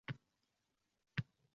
Har bir murojaat e’tiborda